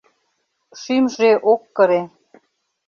Шӱмжӧ ок кыре...